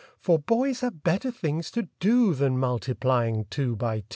For boys have better things to do Than multiplying two by two!